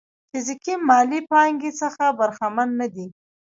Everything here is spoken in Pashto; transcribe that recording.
فزيکي مالي پانګې څخه برخمن نه دي.